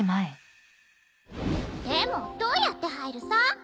でもどうやって入るさ？